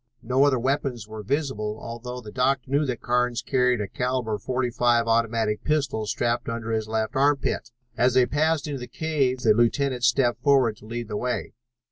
No other weapons were visible, although the doctor knew that Carnes carried a caliber .45 automatic pistol strapped under his left armpit. As they passed into the cave the lieutenant stepped forward to lead the way.